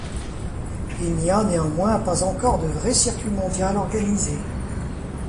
Il n'y a néanmoins pas encore de vrai circuit mondial organisé.